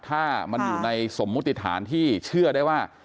ถ้ามันอยู่ในสมมุติฐานที่เชื่อได้ว่า